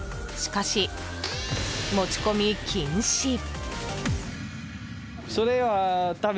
しかし、持ち込み禁止。